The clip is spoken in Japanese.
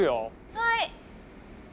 はい！